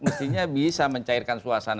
mestinya bisa mencairkan suasana